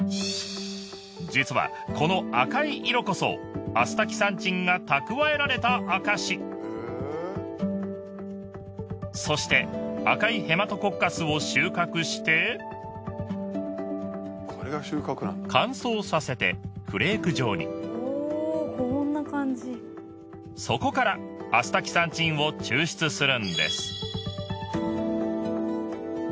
実はこの赤い色こそアスタキサンチンが蓄えられた証しそして赤いヘマトコッカスを収穫してそこからアスタキサンチンを抽出するんです